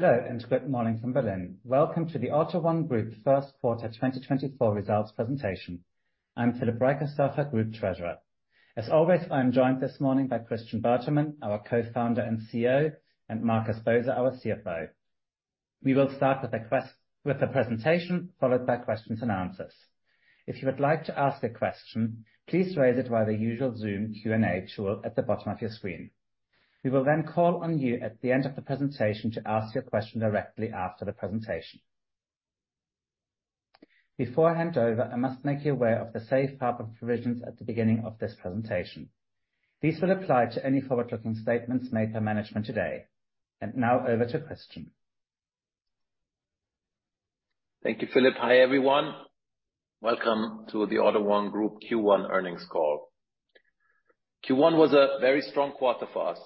Hello, and good morning from Berlin. Welcome to the AUTO1 Group first quarter 2024 results presentation. I'm Philip Reicherstorfer, Group Treasurer. As always, I'm joined this morning by Christian Bertermann, our Co-founder and CEO, and Markus Boser, our CFO. We will start with the presentation, followed by questions and answers. If you would like to ask a question, please raise it via the usual Zoom Q&A tool at the bottom of your screen. We will then call on you at the end of the presentation to ask your question directly after the presentation. Before I hand over, I must make you aware of the safe harbor provisions at the beginning of this presentation. These will apply to any forward-looking statements made by management today. Now over to Christian. Thank you, Philip. Hi, everyone. Welcome to the AUTO1 Group Q1 earnings call. Q1 was a very strong quarter for us.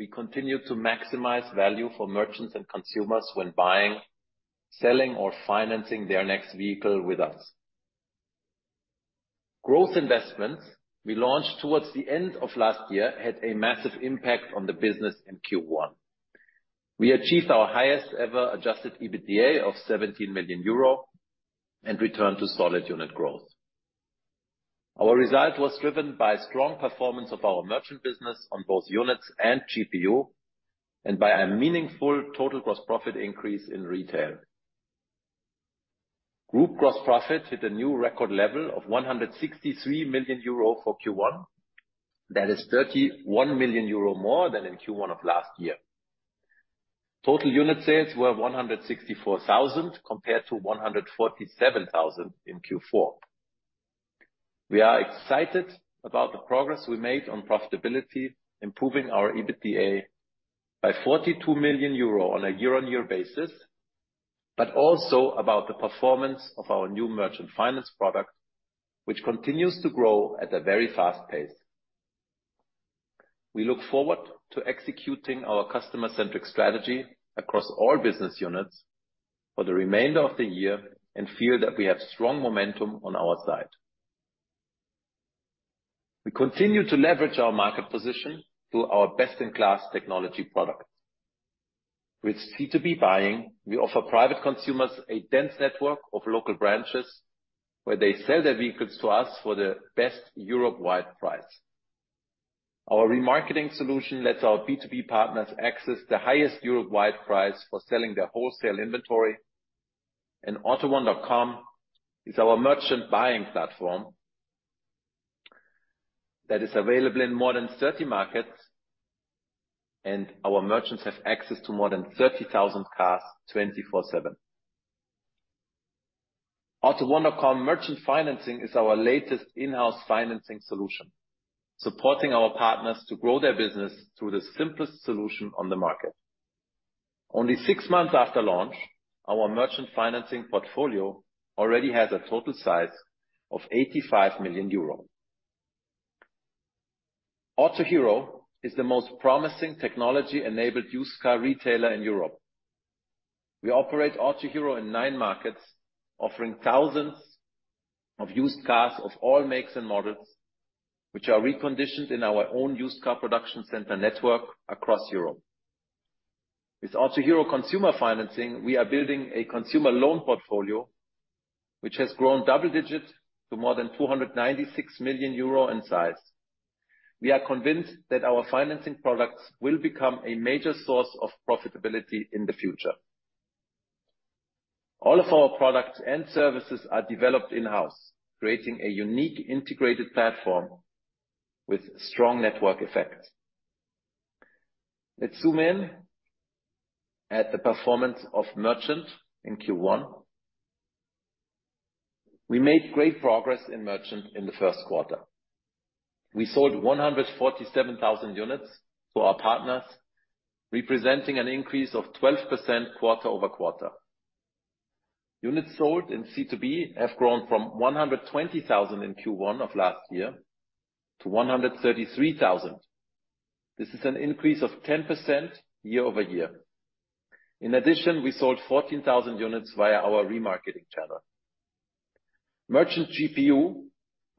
We continued to maximize value for merchants and consumers when buying, selling or financing their next vehicle with us. Growth investments we launched towards the end of last year had a massive impact on the business in Q1. We achieved our highest ever Adjusted EBITDA of 17 million euro and returned to solid unit growth. Our result was driven by strong performance of our merchant business on both units and GPU, and by a meaningful total gross profit increase in retail. Group gross profit hit a new record level of 163 million euro for Q1. That is 31 million euro more than in Q1 of last year. Total unit sales were 164,000, compared to 147,000 in Q4. We are excited about the progress we made on profitability, improving our EBITDA by 42 million euro on a year-over-year basis, but also about the performance of our new merchant finance product, which continues to grow at a very fast pace. We look forward to executing our customer-centric strategy across all business units for the remainder of the year and feel that we have strong momentum on our side. We continue to leverage our market position through our best-in-class technology products. With C2B buying, we offer private consumers a dense network of local branches, where they sell their vehicles to us for the best Europe-wide price. Our remarketing solution lets our B2B partners access the highest Europe-wide price for selling their wholesale inventory, and AUTO1.com is our merchant buying platform that is available in more than 30 markets, and our merchants have access to more than 30,000 cars, 24/7. AUTO1.com Merchant Financing is our latest in-house financing solution, supporting our partners to grow their business through the simplest solution on the market. Only six months after launch, our Merchant Financing portfolio already has a total size of 85 million euros. Autohero is the most promising technology-enabled used car retailer in Europe. We operate Autohero in nine markets, offering thousands of used cars of all makes and models, which are reconditioned in our own used car production center network across Europe. With Autohero consumer financing, we are building a consumer loan portfolio, which has grown double digit to more than 296 million euro in size. We are convinced that our financing products will become a major source of profitability in the future. All of our products and services are developed in-house, creating a unique integrated platform with strong network effect. Let's zoom in at the performance of merchant in Q1. We made great progress in merchant in the first quarter. We sold 147,000 units to our partners, representing an increase of 12% quarter-over-quarter. Units sold in C2B have grown from 120,000 in Q1 of last year to 133,000. This is an increase of 10% year-over-year. In addition, we sold 14,000 units via our remarketing channel. Merchant GPU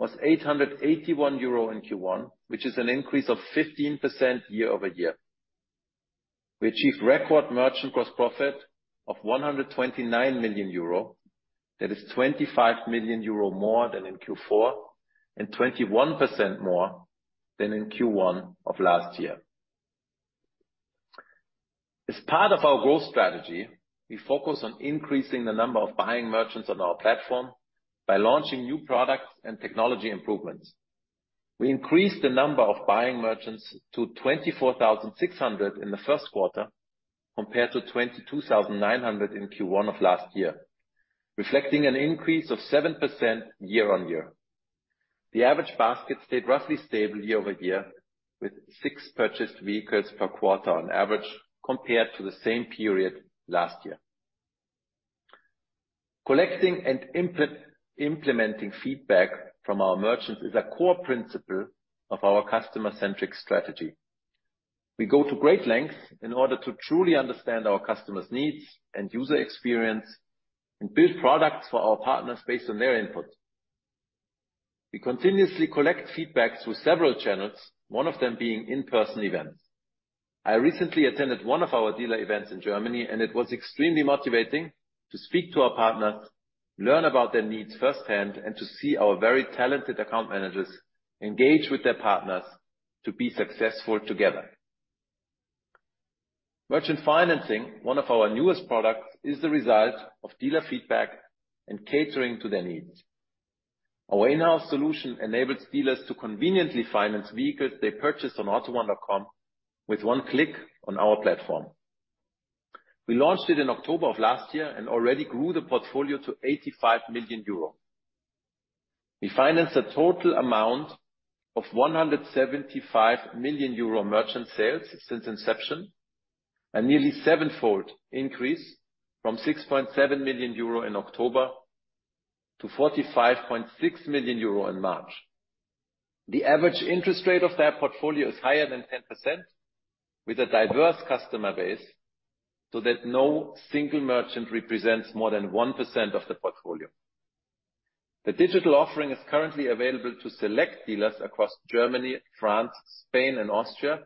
was 881 euro in Q1, which is an increase of 15% year-over-year. We achieved record merchant gross profit of 129 million euro. That is 25 million euro more than in Q4 and 21% more than in Q1 of last year. As part of our growth strategy, we focus on increasing the number of buying merchants on our platform by launching new products and technology improvements. We increased the number of buying merchants to 24,600 in the first quarter, compared to 22,900 in Q1 of last year, reflecting an increase of 7% year-over-year. The average basket stayed roughly stable year-over-year, with six purchased vehicles per quarter on average, compared to the same period last year. Collecting and implementing feedback from our merchants is a core principle of our customer-centric strategy. We go to great lengths in order to truly understand our customers' needs and user experience and build products for our partners based on their input.... We continuously collect feedback through several channels, one of them being in-person events. I recently attended one of our dealer events in Germany, and it was extremely motivating to speak to our partners, learn about their needs firsthand, and to see our very talented account managers engage with their partners to be successful together. Merchant Financing, one of our newest products, is the result of dealer feedback and catering to their needs. Our in-house solution enables dealers to conveniently finance vehicles they purchase on AUTO1.com with one click on our platform. We launched it in October of last year and already grew the portfolio to 85 million euro. We financed a total amount of 175 million euro merchant sales since inception, a nearly sevenfold increase from 6.7 million euro in October to 45.6 million euro in March. The average interest rate of that portfolio is higher than 10%, with a diverse customer base, so that no single merchant represents more than 1% of the portfolio. The digital offering is currently available to select dealers across Germany, France, Spain, and Austria,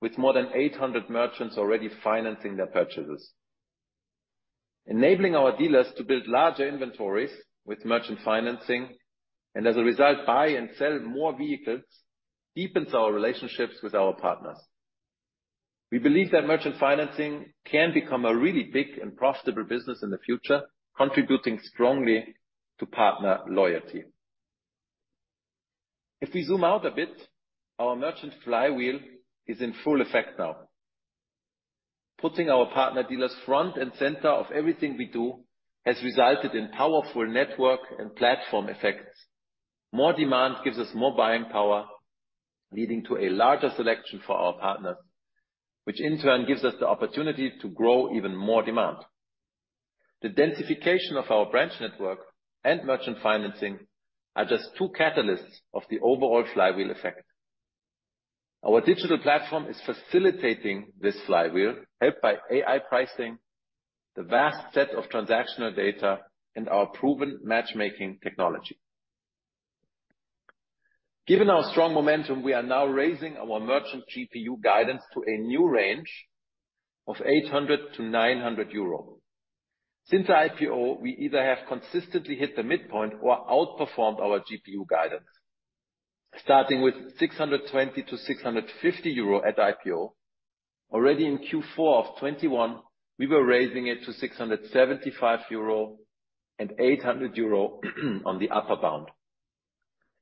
with more than 800 merchants already financing their purchases. Enabling our dealers to build larger inventories with Merchant Financing, and as a result, buy and sell more vehicles, deepens our relationships with our partners. We believe that Merchant Financing can become a really big and profitable business in the future, contributing strongly to partner loyalty. If we zoom out a bit, our merchant flywheel is in full effect now. Putting our partner dealers front and center of everything we do, has resulted in powerful network and platform effects. More demand gives us more buying power, leading to a larger selection for our partners, which in turn gives us the opportunity to grow even more demand. The densification of our branch network and Merchant Financing are just two catalysts of the overall flywheel effect. Our digital platform is facilitating this flywheel, helped by AI pricing, the vast set of transactional data, and our proven matchmaking technology. Given our strong momentum, we are now raising our merchant GPU guidance to a new range of 800-900 euro. Since the IPO, we either have consistently hit the midpoint or outperformed our GPU guidance, starting with 620-650 euro at IPO. Already in Q4 of 2021, we were raising it to 675 euro and 800 euro on the upper bound.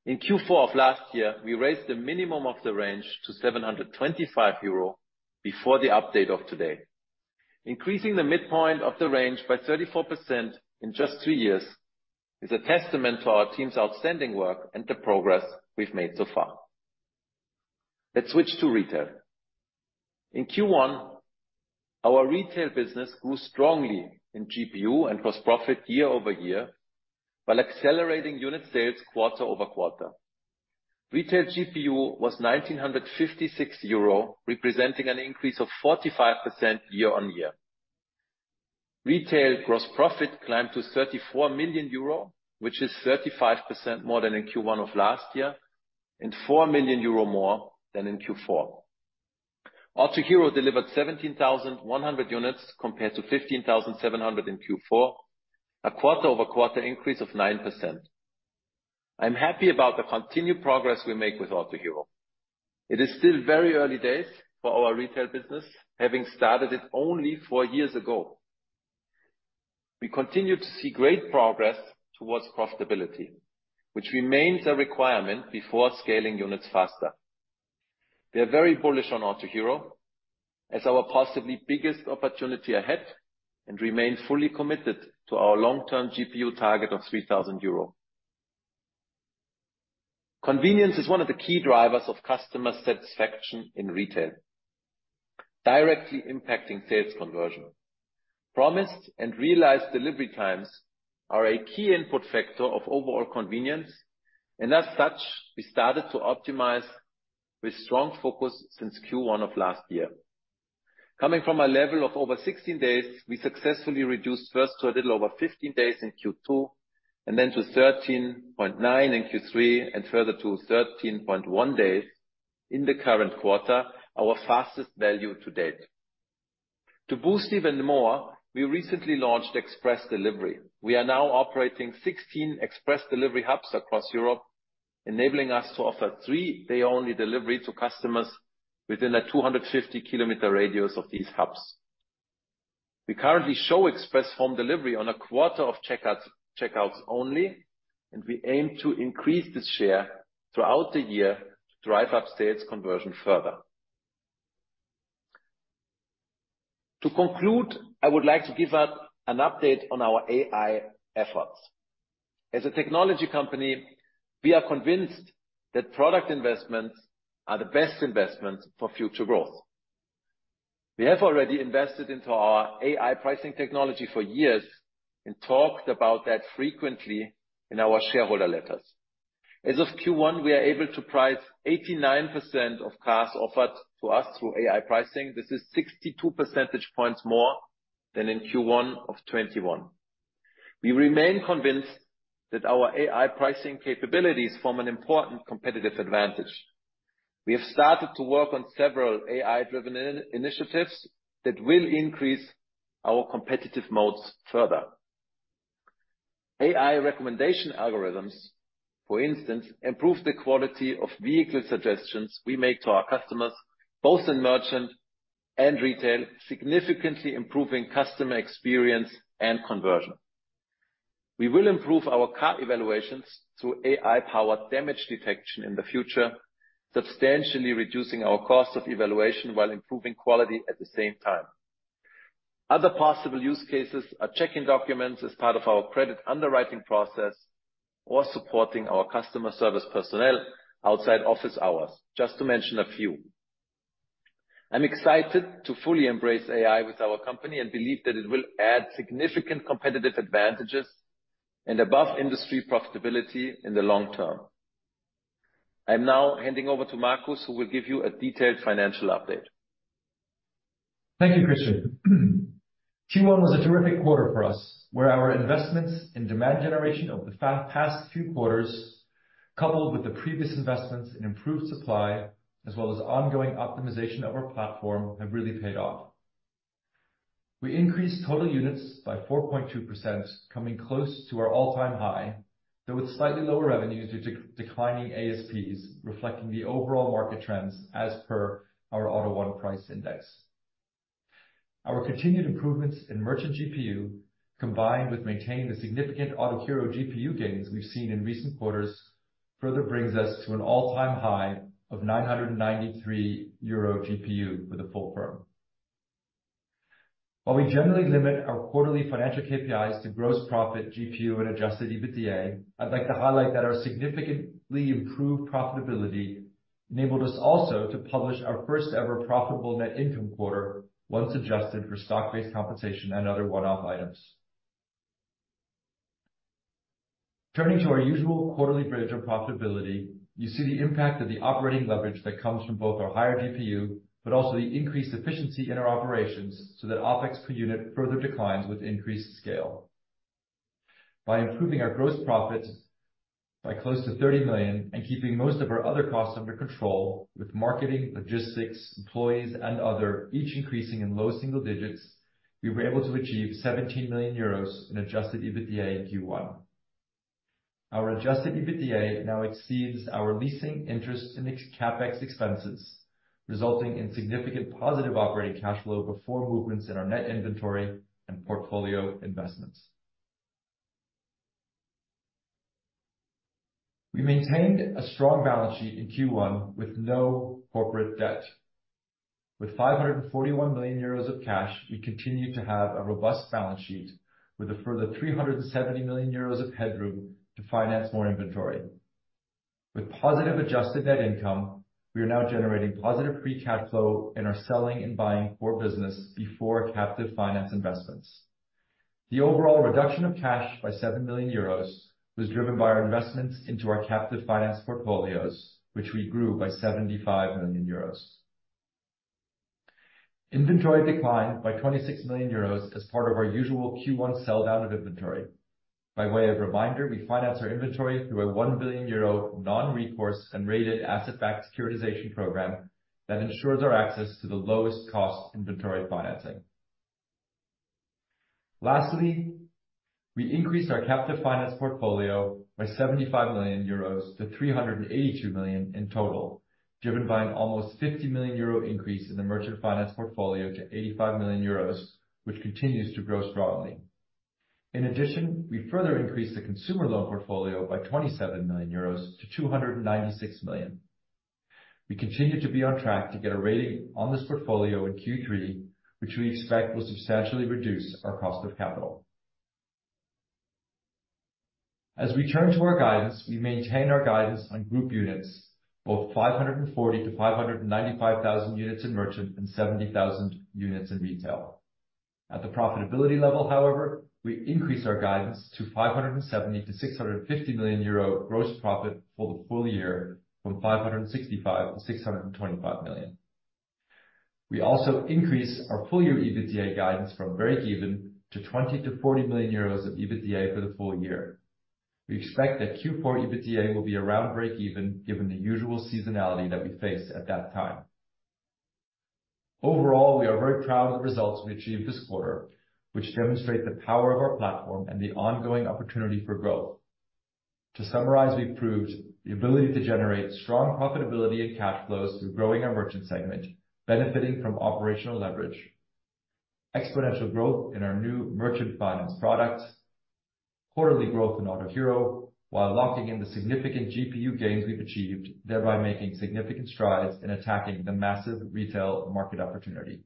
In Q4 of last year, we raised the minimum of the range to 725 euro before the update of today. Increasing the midpoint of the range by 34% in just two years is a testament to our team's outstanding work and the progress we've made so far. Let's switch to retail. In Q1, our retail business grew strongly in GPU and gross profit year-over-year, while accelerating unit sales quarter-over-quarter. Retail GPU was 1,956 euro, representing an increase of 45% year-over-year. Retail gross profit climbed to 34 million euro, which is 35% more than in Q1 of last year, and 4 million euro more than in Q4. Autohero delivered 17,100 units compared to 15,700 in Q4, a quarter-over-quarter increase of 9%. I'm happy about the continued progress we make with Autohero. It is still very early days for our retail business, having started it only four years ago. We continue to see great progress towards profitability, which remains a requirement before scaling units faster. We are very bullish on Autohero as our possibly biggest opportunity ahead, and remain fully committed to our long-term GPU target of 3,000 euro. Convenience is one of the key drivers of customer satisfaction in retail, directly impacting sales conversion. Promised and realized delivery times are a key input factor of overall convenience, and as such, we started to optimize with strong focus since Q1 of last year. Coming from a level of over 16 days, we successfully reduced first to a little over 15 days in Q2, and then to 13.9 in Q3, and further to 13.1 days in the current quarter, our fastest value to date. To boost even more, we recently launched express delivery. We are now operating 16 express delivery hubs across Europe, enabling us to offer 3-day-only delivery to customers within a 250 km radius of these hubs. We currently show express home delivery on a quarter of checkouts, checkouts only, and we aim to increase this share throughout the year to drive up sales conversion further. To conclude, I would like to give an update on our AI efforts. As a technology company, we are convinced that product investments are the best investments for future growth. We have already invested into our AI pricing technology for years and talked about that frequently in our shareholder letters. As of Q1, we are able to price 89% of cars offered to us through AI pricing. This is 62 percentage points more than in Q1 of 2021. We remain convinced that our AI pricing capabilities form an important competitive advantage. We have started to work on several AI-driven initiatives that will increase our competitive moats further. AI recommendation algorithms, for instance, improve the quality of vehicle suggestions we make to our customers, both in merchant and retail, significantly improving customer experience and conversion. We will improve our car evaluations through AI-powered damage detection in the future, substantially reducing our cost of evaluation while improving quality at the same time. Other possible use cases are checking documents as part of our credit underwriting process or supporting our customer service personnel outside office hours, just to mention a few. I'm excited to fully embrace AI with our company and believe that it will add significant competitive advantages and above industry profitability in the long term. I'm now handing over to Markus, who will give you a detailed financial update. Thank you, Christian. Q1 was a terrific quarter for us, where our investments in demand generation over the past few quarters, coupled with the previous investments in improved supply, as well as ongoing optimization of our platform, have really paid off. We increased total units by 4.2%, coming close to our all-time high, though with slightly lower revenues due to declining ASPs, reflecting the overall market trends as per our AUTO1 Price Index. Our continued improvements in merchant GPU, combined with maintaining the significant Autohero GPU gains we've seen in recent quarters, further brings us to an all-time high of 993 euro GPU for the full firm. While we generally limit our quarterly financial KPIs to gross profit GPU and adjusted EBITDA, I'd like to highlight that our significantly improved profitability enabled us also to publish our first ever profitable net income quarter, once adjusted for stock-based compensation and other one-off items. Turning to our usual quarterly bridge on profitability, you see the impact of the operating leverage that comes from both our higher GPU, but also the increased efficiency in our operations, so that OpEx per unit further declines with increased scale. By improving our gross profits by close to 30 million and keeping most of our other costs under control, with marketing, logistics, employees, and other, each increasing in low single digits, we were able to achieve 17 million euros in adjusted EBITDA in Q1. Our adjusted EBITDA now exceeds our leasing interest and CapEx expenses, resulting in significant positive operating cash flow before movements in our net inventory and portfolio investments. We maintained a strong balance sheet in Q1 with no corporate debt. With 541 million euros of cash, we continue to have a robust balance sheet, with a further 370 million euros of headroom to finance more inventory. With positive adjusted net income, we are now generating positive free cash flow and in our selling and buying core business before captive finance investments. The overall reduction of cash by 7 million euros was driven by our investments into our captive finance portfolios, which we grew by 75 million euros. Inventory declined by 26 million euros as part of our usual Q1 sell-down of inventory. By way of reminder, we finance our inventory through a 1 billion euro non-recourse and rated asset-backed securitization program that ensures our access to the lowest cost inventory financing. Lastly, we increased our captive finance portfolio by 75 million euros to 382 million in total, driven by an almost 50 million euro increase in the merchant finance portfolio to 85 million euros, which continues to grow strongly. In addition, we further increased the consumer loan portfolio by 27 million euros to 296 million. We continue to be on track to get a rating on this portfolio in Q3, which we expect will substantially reduce our cost of capital. As we turn to our guidance, we maintain our guidance on group units, 540-595,000 units in merchant and 70,000 units in retail. At the profitability level, however, we increased our guidance to 570 million-650 million euro gross profit for the full year from 565 million-625 million. We also increased our full year EBITDA guidance from break even to 20 million-40 million euros of EBITDA for the full year. We expect that Q4 EBITDA will be around break even, given the usual seasonality that we face at that time. Overall, we are very proud of the results we achieved this quarter, which demonstrate the power of our platform and the ongoing opportunity for growth. To summarize, we improved the ability to generate strong profitability and cash flows through growing our merchant segment, benefiting from operational leverage, exponential growth in our new merchant finance products, quarterly growth in Autohero, while locking in the significant GPU gains we've achieved, thereby making significant strides in attacking the massive retail market opportunity.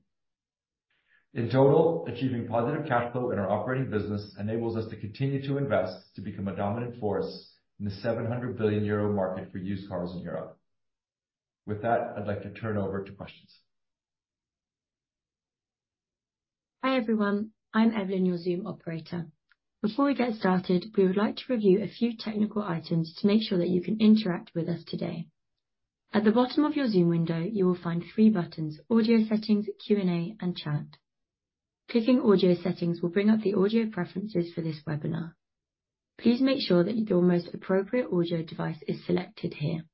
In total, achieving positive cash flow in our operating business enables us to continue to invest to become a dominant force in the 700 billion euro market for used cars in Europe. With that, I'd like to turn over to questions. Hi, everyone. I'm Evelyn, your Zoom operator. Before we get started, we would like to review a few technical items to make sure that you can interact with us today. At the bottom of your Zoom window, you will find three buttons: Audio settings, Q&A, and Chat. Clicking Audio settings will bring up the audio preferences for this webinar. Please make sure that your most appropriate audio device is selected here.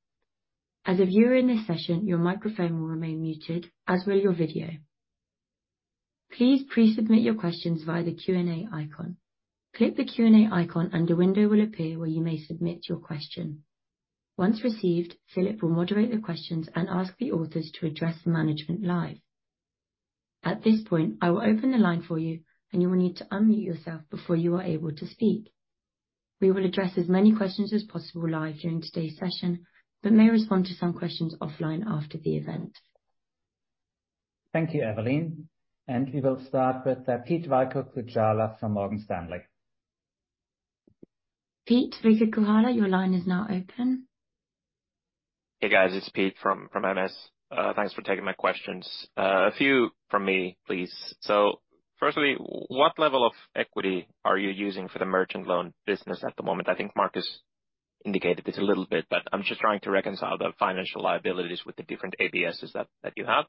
As a viewer in this session, your microphone will remain muted, as will your video. Please pre-submit your questions via the Q&A icon. Click the Q&A icon, and a window will appear where you may submit your question. Once received, Philip will moderate the questions and ask the authors to address management live. At this point, I will open the line for you, and you will need to unmute yourself before you are able to speak. We will address as many questions as possible live during today's session, but may respond to some questions offline after the event. Thank you, Evelyn, and we will start with Pete-Veikko Kujala from Morgan Stanley. Pete-Veikko Kujala, your line is now open. Hey, guys, it's Pete from MS. Thanks for taking my questions. A few from me, please. So firstly, what level of equity are you using for the merchant loan business at the moment? I think Markus indicated this a little bit, but I'm just trying to reconcile the financial liabilities with the different ABSs that you have.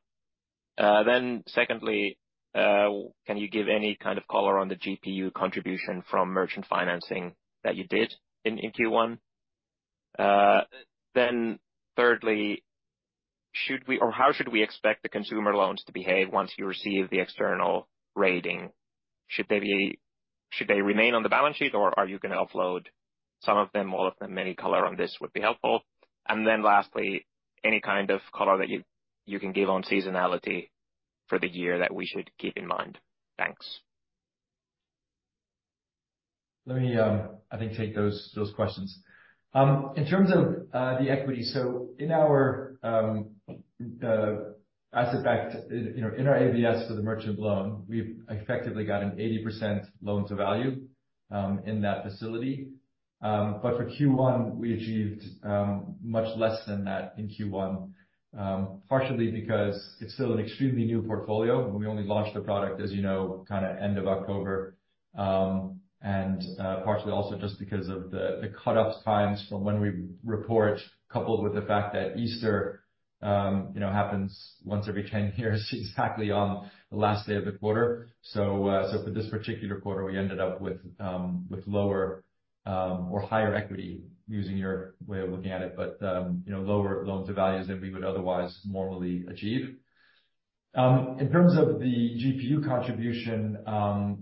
Then secondly, can you give any kind of color on the GPU contribution from Merchant Financing that you did in Q1? Then thirdly, should we or how should we expect the consumer loans to behave once you receive the external rating? Should they remain on the balance sheet, or are you gonna offload some of them, all of them? Any color on this would be helpful. Then lastly, any kind of color that you can give on seasonality for the year that we should keep in mind? Thanks. Let me, I think, take those questions. In terms of the equity, so in our asset-backed, you know, in our ABS for the merchant loan, we've effectively got an 80% loan-to-value in that facility. But for Q1, we achieved much less than that in Q1, partially because it's still an extremely new portfolio. We only launched the product, as you know, kind of end of October. And partially also just because of the cut-off times from when we report, coupled with the fact that Easter, you know, happens once every 10 years, exactly on the last day of the quarter. So, so for this particular quarter, we ended up with, with lower, or higher equity, using your way of looking at it, but, you know, lower loans to values than we would otherwise normally achieve. In terms of the GPU contribution,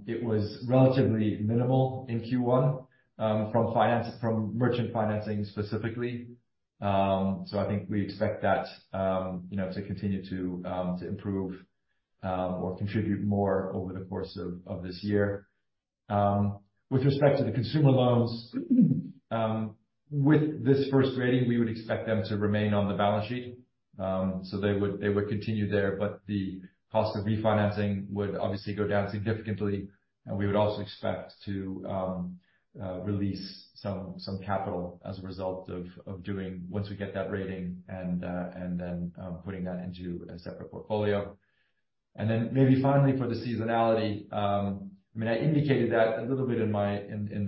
it was relatively minimal in Q1, from finance, from Merchant Financing specifically. So I think we expect that, you know, to continue to, to improve, or contribute more over the course of this year. With respect to the consumer loans, with this first rating, we would expect them to remain on the balance sheet. So they would continue there, but the cost of refinancing would obviously go down significantly, and we would also expect to release some capital as a result of doing once we get that rating and then putting that into a separate portfolio. Then maybe finally, for the seasonality, I mean, I indicated that a little bit in my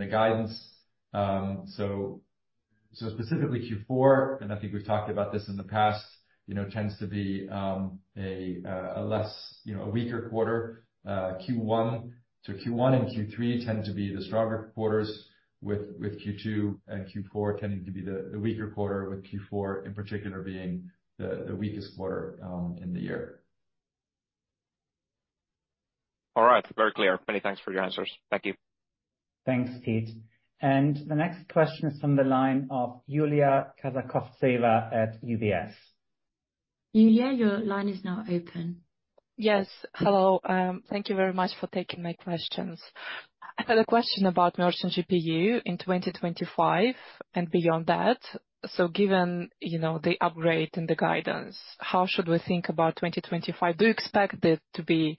guidance. So specifically Q4, and I think we've talked about this in the past, you know, tends to be a weaker quarter. Q1, so Q1 and Q3 tend to be the stronger quarters with Q2 and Q4 tending to be the weaker quarter, with Q4 in particular being the weakest quarter in the year. All right. Very clear. Many thanks for your answers. Thank you. Thanks, Pete. And the next question is from the line of Yulia Kazakovtseva at UBS. Yulia, your line is now open. Yes. Hello. Thank you very much for taking my questions. I had a question about merchant GPU in 2025 and beyond that. So given, you know, the upgrade and the guidance, how should we think about 2025? Do you expect it to be,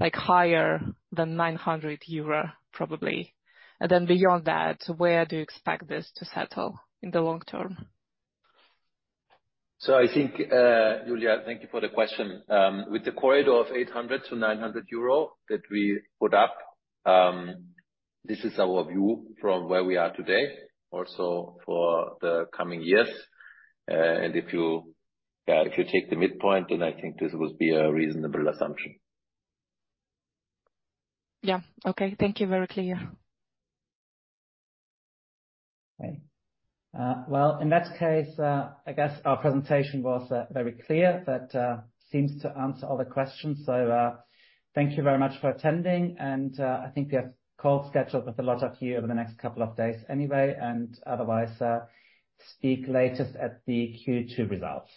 like, higher than 900 euro, probably? And then beyond that, where do you expect this to settle in the long term? So I think, Yulia, thank you for the question. With the corridor of 800-900 euro that we put up, this is our view from where we are today, also for the coming years. If you take the midpoint, then I think this would be a reasonable assumption. Yeah. Okay. Thank you. Very clear. Okay. Well, in that case, I guess our presentation was very clear. That seems to answer all the questions. So, thank you very much for attending, and I think we have calls scheduled with a lot of you over the next couple of days anyway, and otherwise, speak later at the Q2 results.